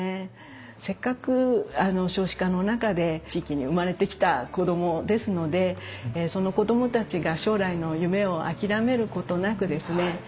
せっかく少子化の中で地域に生まれてきた子どもですのでその子どもたちが将来の夢を諦めることなくですね